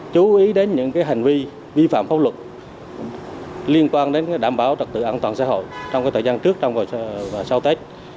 chú ý đến những hành vi vi phạm pháp luật liên quan đến đảm bảo trật tự an toàn xã hội trong thời gian trước trong và sau tết